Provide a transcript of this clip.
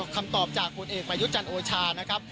คำตอบจากผลเอกประยุทธ์จันทร์โอชานะครับ